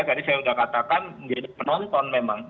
tadi saya sudah katakan menjadi penonton memang